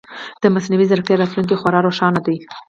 د مصنوعي ځیرکتیا راتلونکې خورا روښانه ده.